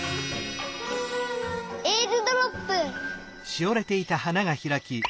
えーるドロップ！